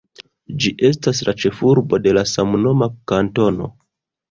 Ĝi estas la ĉefurbo de la samnoma kantono.